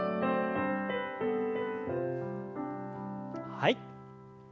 はい。